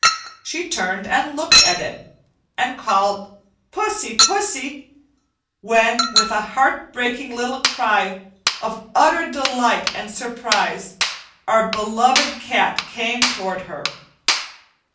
She turned and looked at it, and called "Pussy, pussy," when with a heart breaking little cry of utter delight and surprise, our beloved cat came toward her.